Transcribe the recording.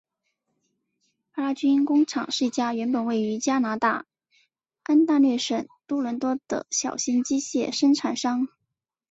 帕拉军工厂是一家原本位于加拿大安大略省多伦多的小型枪械生产商。